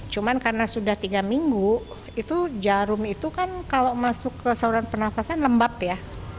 cuma karena sudah tiga minggu itu jarum itu kan kalau masuk ke saluran pernafasan lembab ya